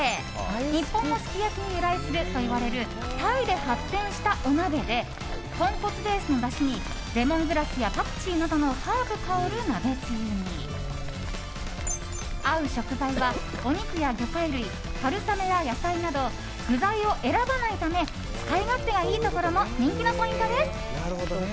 日本のすき焼きに由来するといわれるタイで発展したお鍋で豚骨ベースのだしにレモングラスやパクチーなどのハーブ香る鍋つゆに合う食材はお肉や魚介類、春雨や野菜など具材を選ばないため使い勝手がいいところも人気のポイントです。